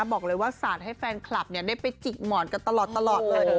บอกเลยว่าสาดให้แฟนคลับได้ไปจิกหมอนกันตลอดเลย